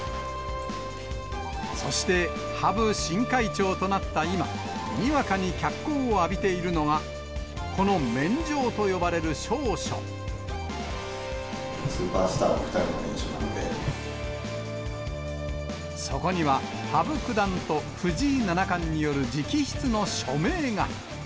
そして羽生新会長となった今、にわかに脚光を浴びているのが、スーパースター２人の連署なそこには、羽生九段と藤井七冠による直筆の署名が。